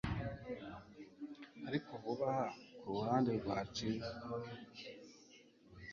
Ariko vuba aha kuruhande rwaciwe